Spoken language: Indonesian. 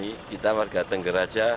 jadi kita warga tengger